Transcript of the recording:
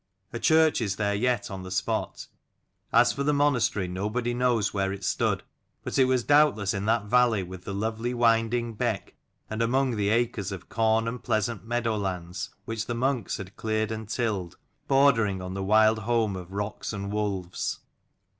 A church is there yet on the spot : as for the monastery nobody knows where it stood ; but it was doubtless in that valley with the lovely winding beck and among the acres of corn and pleasant meadowlands which the monks had cleared and tilled, bordering on the wild home of rocks and wolves.